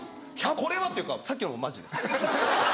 これはっていうかさっきのもマジです。